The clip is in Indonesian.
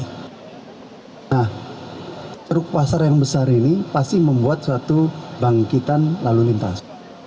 nah truk pasar yang besar ini pasti membuat suatu bangkitan lalu lintas